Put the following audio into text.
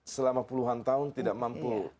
selama puluhan tahun tidak mampu